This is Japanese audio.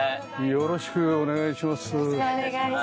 よろしくお願いします。